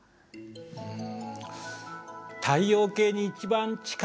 うん。